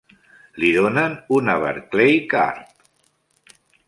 Li donen una Barclaycard.